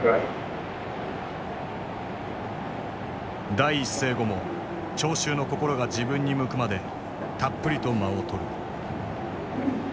第一声後も聴衆の心が自分に向くまでたっぷりと間をとる。